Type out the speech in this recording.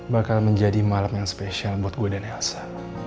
bakal menjadi malam yang spesial buat gue dan elsa